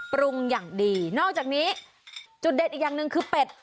ปรุงอย่างดีนอกจากนี้จุดเด็ดอีกอย่างหนึ่งคือเป็ด